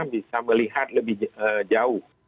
bisa melihat lebih jauh